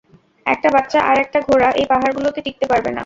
একটা বাচ্চা আর একটা ঘোড়া এই পাহাড়গুলোতে টিকতে পারবে না।